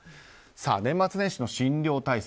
年末年始の診療体制。